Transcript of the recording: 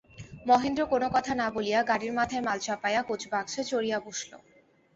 মহেন্দ্র কোনো কথা না বলিয়া গাড়ির মাথায় মাল চাপাইয়া কোচবাক্সে চড়িয়া বসিল।